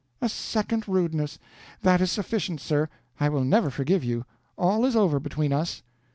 "A second rudeness! That is sufficient, sir. I will never forgive you. All is over between us."